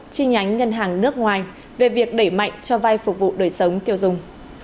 chi nhánh ngân hàng nước ngoài về việc đẩy mạnh cho vai phục vụ đời sống tiêu dùng